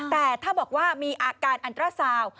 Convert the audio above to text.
แต่ถ้าบอกว่ามีอาการอันตราซาว